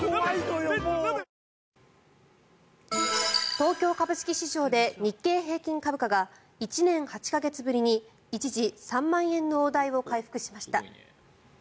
東京株式市場で日経平均株価が１年８か月ぶりに一時３万円の大台を回復しました。